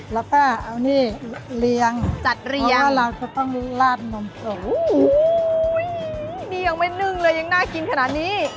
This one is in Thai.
แล้วก็เอานี่เลี้ยงจัดเรียงแล้วเราจะต้องลาดนมสดนี่ยังไม่นึ่งเลยยังน่ากินขนาดนี้